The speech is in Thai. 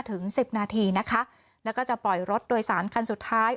ถึงสิบนาทีนะคะแล้วก็จะปล่อยรถโดยสารคันสุดท้าย